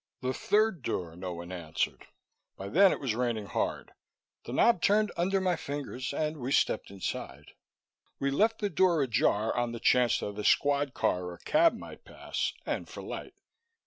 The third door, no one answered. By then it was raining hard; the knob turned under my fingers, and we stepped inside. We left the door ajar, on the chance that a squad car or cab might pass, and for light.